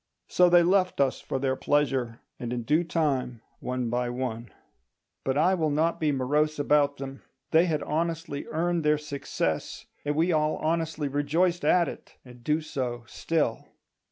So they left us for their pleasure; and in due time, one by one— But I will not be morose about them; they had honestly earned their success, and we all honestly rejoiced at it, and do so still.